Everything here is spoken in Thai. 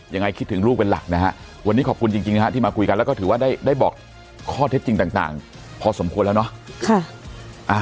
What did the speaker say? ยังไงคิดถึงลูกเป็นหลักนะฮะวันนี้ขอบคุณจริงนะฮะที่มาคุยกันแล้วก็ถือว่าได้บอกข้อเท็จจริงต่างพอสมควรแล้วเนาะ